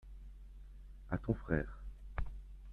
À ton frère.